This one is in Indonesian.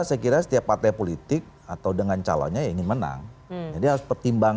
saya kira setiap partai politik atau dengan calonnya ingin menang jadi harus pertimbang